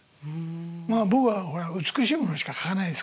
僕はほら美しいものしか描かないですから。